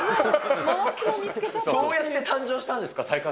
そうやって誕生したんですか？